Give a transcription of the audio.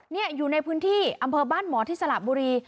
นี่อยู่ในพื้นที่อำเภอบ้านหมอที่สระบุรี